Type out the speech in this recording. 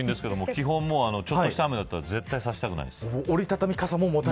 基本、ちょっとした雨だったら絶対に持ちたくないです。